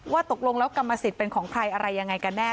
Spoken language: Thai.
ตกลงแล้วกรรมสิทธิ์เป็นของใครอะไรยังไงกันแน่